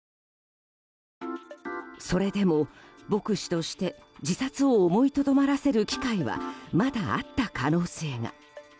それでも、牧師として自殺を思いとどまらせる機会はまだあった可能性が。